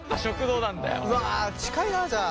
うわ近いなじゃあ。